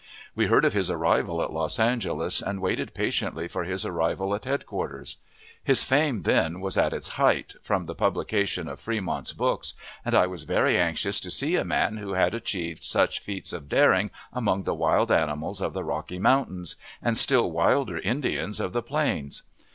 We heard of his arrival at Los Angeles, and waited patiently for his arrival at headquarters. His fame then was at its height, from the publication of Fremont's books, and I was very anxious to see a man who had achieved such feats of daring among the wild animals of the Rocky Mountains, and still wilder Indians of the Plains.